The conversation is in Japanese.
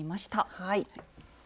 はい。